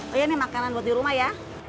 oh iya ini makanan buat di rumah ya